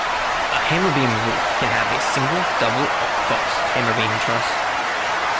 A hammerbeam roof can have a single, double or false hammerbeam truss.